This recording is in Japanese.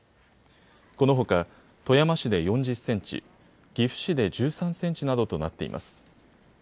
このほか富山市で４０センチ、岐阜市で１３センチなどとなっています。